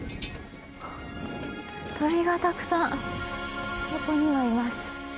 鳥がたくさんここにはいます。